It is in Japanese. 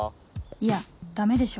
いやダメでしょ